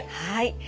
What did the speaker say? はい。